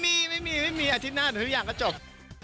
ไม่มีไม่มีไม่มีอาทิตย์หน้าทุกอย่างก็จบ